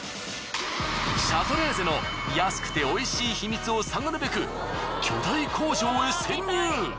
シャトレーゼの安くて美味しい秘密を探るべく巨大工場へ潜入！